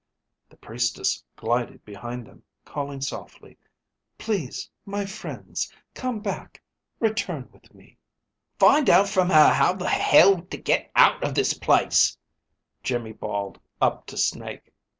The Priestess glided behind them, calling softly, "Please, my friends, come back. Return with me." "Find out from her how the hell to get out of this place!" Iimmi bawled up to Snake.